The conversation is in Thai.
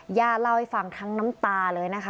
ย่าเล่าให้ฟังทั้งน้ำตาเลยนะคะ